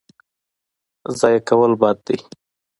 ضایع کول بد دی.